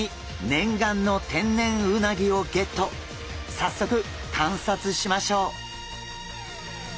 早速観察しましょう！